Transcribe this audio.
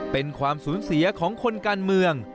เป็นความสูญเสียของคนการเมือง